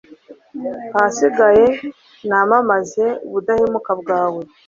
ahasigaye namamaze ubudahemuka bwawe